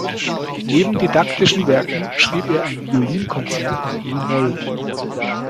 Neben didaktischen Werken schrieb er ein Violinkonzert in e-Moll.